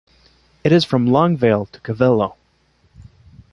It is from Longvale to Covelo.